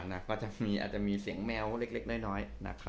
อาจจะมีเสียงแมวเล็กน้อย